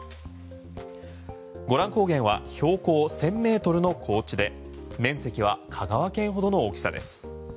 ゴラン高原は標高１０００ｍの高地で面積は香川県ほどの大きさです。